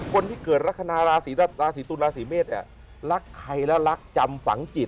คนที่เกิดลักษณะลาศรีตุลลาศรีเมษลักใครแล้วลักจำฝังจิต